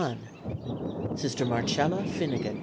Sister Marcella Finnigan.